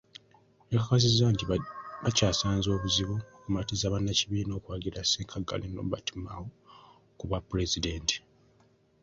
Yakakasizza nti bakyasanze obuzibu okumatiza bannakibiina okuwagira ssenkaggale Nobert Mao ku bwapulezidenti.